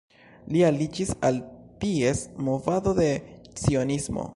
Li aliĝis al ties movado de Cionismo.